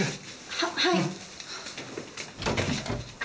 はっはい。